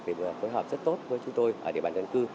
phối hợp rất tốt với chúng tôi ở địa bàn dân cư